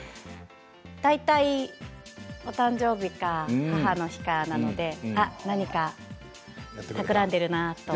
大体、お誕生日か母の日なので何かたくらんでいるなって。